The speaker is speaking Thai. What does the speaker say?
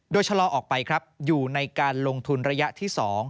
โดยชะลอออกไปครับอยู่ในการลงทุนระยะที่๒